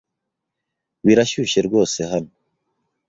Birashyushye rwose hano.